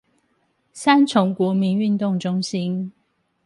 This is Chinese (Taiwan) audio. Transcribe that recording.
三重國民運動中心